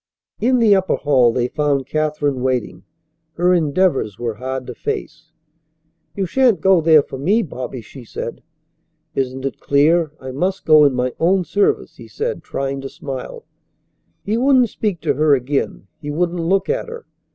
In the upper hall they found Katherine waiting. Her endeavours were hard to face. "You shan't go there for me, Bobby," she said. "Isn't it clear I must go in my own service?" he said, trying to smile. He wouldn't speak to her again. He wouldn't look at her.